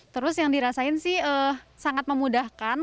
terus yang dirasain sih sangat memudahkan